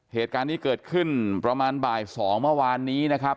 เหตุการณ์นี้เกิดขึ้นประมาณบ่าย๒เมื่อวานนี้นะครับ